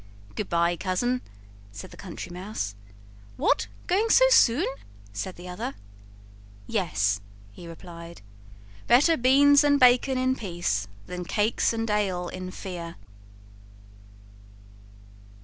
"Good by, Cousin," said the Country Mouse. "What! going so soon?" said the other. "Yes," he replied; "BETTER BEANS AND BACON IN PEACE THAN CAKES AND ALE IN FEAR."